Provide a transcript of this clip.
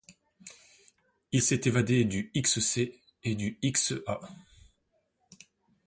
Il s'est évadé du X-C et du X-A.